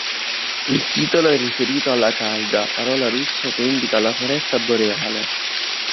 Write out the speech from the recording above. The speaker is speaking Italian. Il titolo è riferito alla taiga, parola russa che indica la foresta boreale.